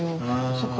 そっか。